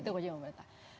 itu kejadian pemerintah